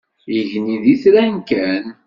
Igenni d itran kan.